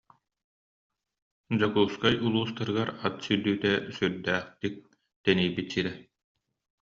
Дьокуускай улуустарыгар ат сүүрдүүтэ сүрдээхтик тэнийбит сирэ